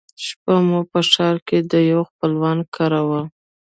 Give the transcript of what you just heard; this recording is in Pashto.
شپه مې په ښار کښې د يوه خپلوان کره وه.